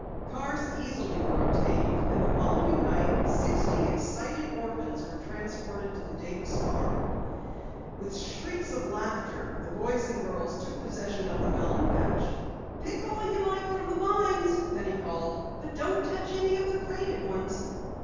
Cars easily were obtained, and the following night, sixty excited orphans were transported to the Davis farm. With shrieks of laughter, the boys and girls took possession of the melon patch. "Pick all you like from the vines," Penny called, "but don't touch any of the crated ones."